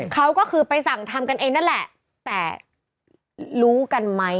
เขาก็คือไปสั่งทำกันเองนั่นแหละแต่รู้กันไหม